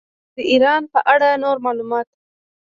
د ایران په اړه نور معلومات.